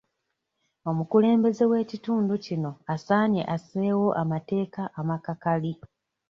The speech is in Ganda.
Omukulembeze w'ekitundu kino asaanye asseewo amateeka amakakali.